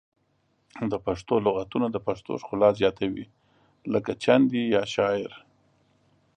پښتو لغتونه د پښتو ښکلا زیاتوي لکه چندي یا شاعر